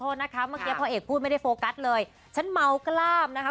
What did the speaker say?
นะคะเมื่อกี้พ่อเอกพูดไม่ได้โฟกัสเลยฉันเมากล้ามนะคะ